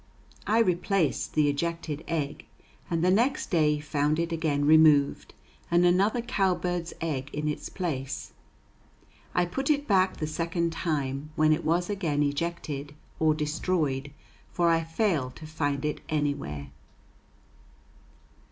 I replaced the ejected egg, and the next day found it again removed, and another cowbird's egg in its place. I put it back the second time, when it was again ejected, or destroyed, for I failed to find it anywhere.